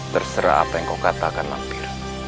terserah apa yang kau katakan mampir